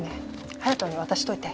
隼人に渡しておいて。